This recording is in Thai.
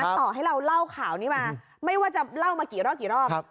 ต่อให้เราเล่าข่าวนี้มาไม่ว่าจะเล่ามากี่รอบกี่รอบ